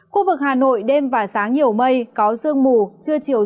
khu vực hà nội đêm và sáng nhiều mây có sương mù chưa chiều giảm mây trời nắng